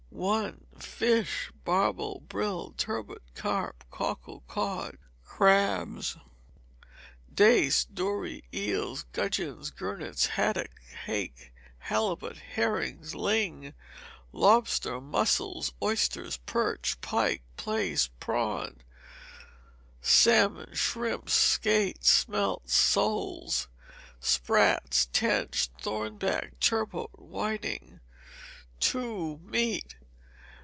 i. Fish. Barbel, brill, turbot, carp, cockles, cod, crabs, dace, dory, eels, gudgeons, gurnets, haddocks, hake, halibut, herrings, ling, lobsters, mussels, oysters, perch, pike, plaice, prawns, salmon, shrimps, skate, smelts, soles, sprats, tench, thornback, turbot, whiting. ii. Meat.